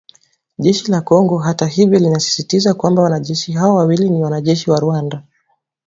Jeshi la Kongo hata hivyo linasisitiza kwamba wanajeshi hao wawili ni wanajeshi wa Rwanda